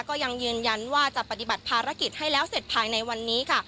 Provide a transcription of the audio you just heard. ก็ยังยืนยันว่าจะปฏิบัติภารกิจให้แล้วเสร็จภายในวันนี้ค่ะ